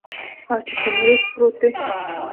ها چې پر میز پروت دی